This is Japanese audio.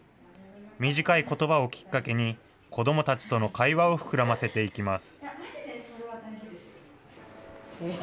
短いことばをきっかけに、子どもたちとの会話を膨らませていきます。